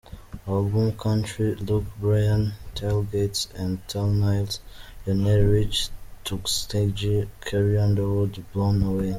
Album, country: Luke Bryan, "Tailgates & Tanlines"; Lionel Richie, "Tuskegee"; Carrie Underwood, "Blown Away.